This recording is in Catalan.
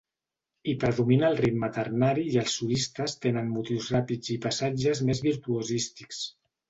Hi predomina el ritme ternari i els solistes tenen motius ràpids i passatges més virtuosístics.